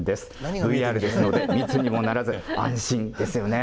ＶＲですので、密にもならず、安心ですよね。